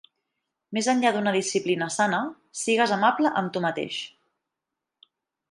Més enllà d'una disciplina sana, sigues amable amb tu mateix.